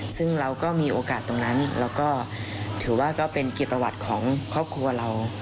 ซึ่งเราก็มีโอกาสตรงนั้นแล้วก็ถือว่าก็เป็นเกียรติประวัติของครอบครัวเรา